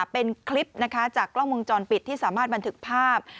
เป็นคลิปนะคะจากกล้องวงจรปิดที่สามารถบันทึกภาพ